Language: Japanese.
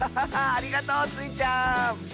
ありがとうスイちゃん！